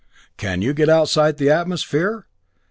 Can you get outside the atmosphere?